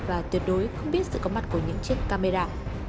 và tuyệt đối không biết sự có mặt của những chiếc camera